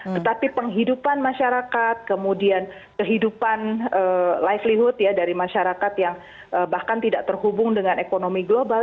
tetapi penghidupan masyarakat kemudian kehidupan livelywood ya dari masyarakat yang bahkan tidak terhubung dengan ekonomi global